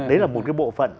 đấy là một cái bộ phận